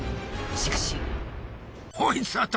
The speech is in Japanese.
しかし。